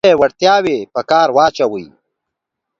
خپلې وړتیاوې په کار واچوئ.